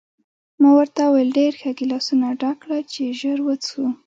ما ورته وویل: ډېر ښه، ګیلاسونه ډک کړه چې ژر وڅښو.